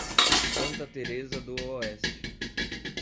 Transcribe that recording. Santa Tereza do Oeste